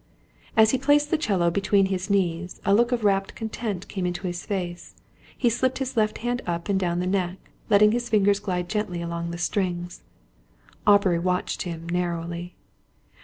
As he placed the 'cello between his knees, a look of rapt content came into his face. He slipped his left hand up and down the neck, letting his fingers glide gently along the strings. Aubrey watched him narrowly.